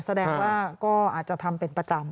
แสดงว่าก็อาจจะทำเป็นประจำ